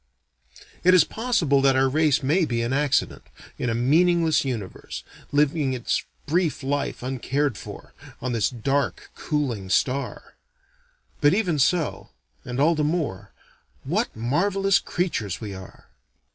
It is possible that our race may be an accident, in a meaningless universe, living its brief life uncared for, on this dark, cooling star: but even so and all the more what marvelous creatures we are!